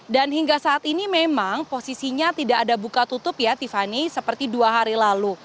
dan hingga saat ini memang posisinya tidak ada buka tutup ya tiffany seperti dua hari lalu